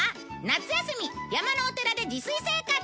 夏休み山のお寺で自炊生活！